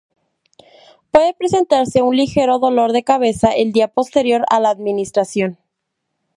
Puede presentarse un ligero dolor de cabeza el día posterior a la administración.